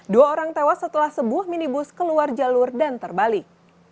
dua orang tewas setelah sebuah minibus keluar jalur dan terbalik